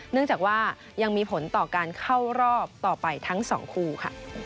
เนื่องจากว่ายังมีผลต่อการเข้ารอบต่อไปทั้ง๒คู่ค่ะ